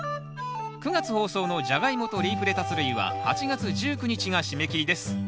９月放送の「ジャガイモ」と「リーフレタス類」は８月１９日が締め切りです。